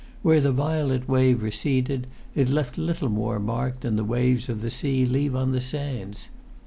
Where the violet wave receded, it left little more mark than the waves of the sea leave on the sands.